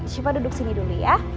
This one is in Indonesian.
siapa duduk sini dulu ya